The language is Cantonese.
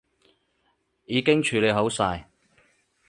已經處理好晒